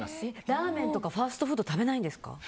ラーメンとかファストフード食べないんですか？